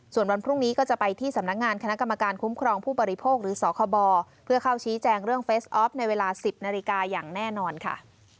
ส่วนวันพรุ่งนี้ก็จะไปที่สำนักงานคณะกรรมการคุ้มครองผู้บริโภคหรือสคบเพื่อเข้าชี้แจงเรื่องเฟสออฟในเวลา๑๐นาฬิกาอย่างแน่นอนค่ะ